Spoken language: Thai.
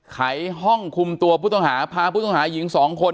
ไขห้องคุมตัวผู้ต้องหาพาผู้ต้องหาหญิงสองคน